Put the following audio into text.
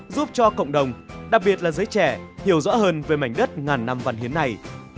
giúp cho cộng đồng đặc biệt là giới trẻ hiểu rõ hơn về mảnh đất ngàn năm văn hiến này